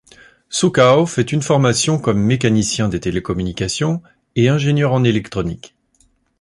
Suckau fait une formation comme mécanicien des télécommunications et ingénieur en électronique.